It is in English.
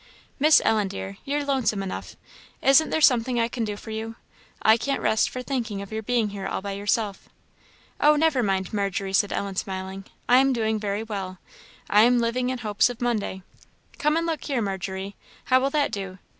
"Miss Ellen, dear, you're lonesome enough; isn't there something I can do for you? I can't rest for thinking of your being here all by yourself." "Oh, never mind, Margery," said Ellen, smiling "I am doing very well. I am living in hopes of Monday. Come and look here, Margery how will that do?